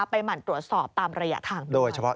ไปหั่นตรวจสอบตามระยะทาง